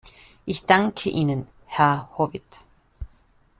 Ich danke Ihnen, Herr Howitt.